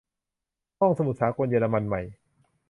ห้องสมุดสากลเยอรมันใหม่